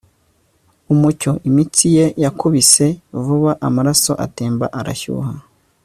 umucyo. imitsi ye yakubise vuba, amaraso atemba arashyuha